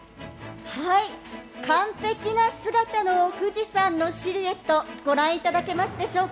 完璧な姿の富士山のシルエットご覧いただけますでしょうか。